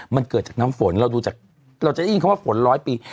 มันเกิดจากน้ำฝนเราดูจากเราจะได้ยินคำว่าฝนร้อยปี